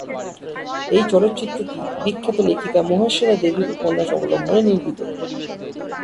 এই চলচ্চিত্রটি বিখ্যাত লেখিকা মহাশ্বেতা দেবী এর উপন্যাস অবলম্বনে নির্মিত।